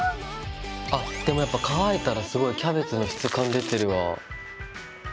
あっでもやっぱ乾いたらすごいキャベツの質感出てるわぁ。